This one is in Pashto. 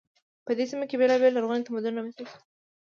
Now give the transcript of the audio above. په دې سیمه کې بیلابیل لرغوني تمدنونه رامنځته شول.